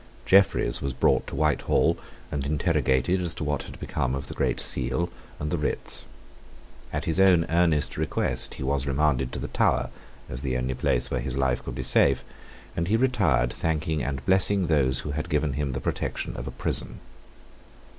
Jeffreys was brought to Whitehall and interrogated as to what had become of the Great Seal and the writs. At his own earnest request he was remanded to the Tower, as the only place where his life could be safe; and he retired thanking and blessing those who had given him the protection of a prison.